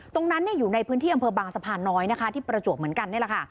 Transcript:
ตรงนั้นอยู่ในพื้นที่อำเภอบางสะพานน้อยที่ประจวบเหมือนกัน